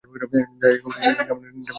জয়গোপাল এক গ্রাম্য নেটিভ ডাক্তারকে ডাকিল।